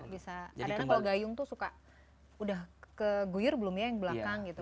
karena kalau gayung tuh suka udah keguyur belum ya yang belakang gitu